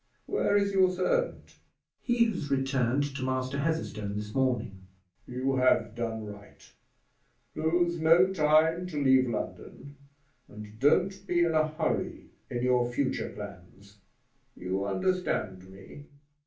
Where is your servant?" "He has returned to Master Heatherstone this morning." "You have done right. Lose no time to leave London; and don't be in a hurry in your future plans. You understand me.